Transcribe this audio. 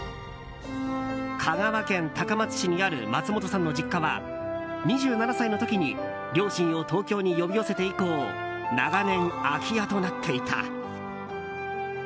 香川県高松市にある松本さんの実家は２７歳の時に両親を東京に呼び寄せて以降長年、空き家となっていた。